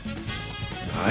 何！？